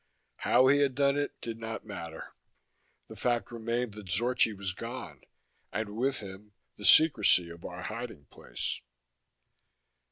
How he had done it did not matter. The fact remained that Zorchi was gone and, with him, the secrecy of our hiding place.